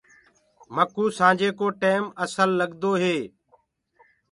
مڪُو سآنجي ڪو ٽيم اسل لگدو هي۔